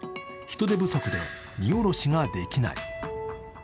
人手不足で荷降ろしができない。